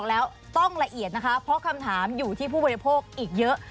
แล้วต้องละเอียดนะคะเพราะคำถามอยู่ที่ผู้บริโภคอีกเยอะ